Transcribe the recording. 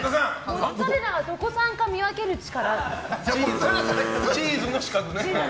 モッツァレラがどこ産か見分ける力。